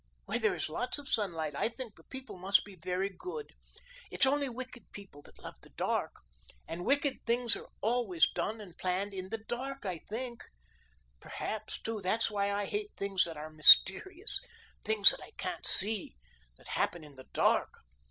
Where there is lots of sunlight, I think the people must be very good. It's only wicked people that love the dark. And the wicked things are always done and planned in the dark, I think. Perhaps, too, that's why I hate things that are mysterious things that I can't see, that happen in the dark."